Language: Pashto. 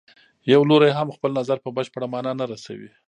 یو لوری هم خپل نظر په بشپړه معنا نه رسوي.